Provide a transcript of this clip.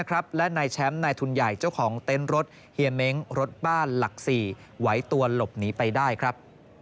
รถบ้านหลัก๔ไหว้ตัวหลบหนีไปได้ครับ